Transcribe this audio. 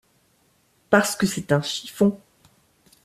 Parce que c’est un chiffon.